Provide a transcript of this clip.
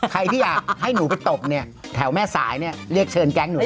ใครที่อยากให้หนูไปตบแถวแม่สายเรียกเชิญแก๊งหนูได้